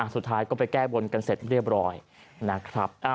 สุดท้ายก็ไปแก้บนกันเสร็จเรียบร้อยนะครับ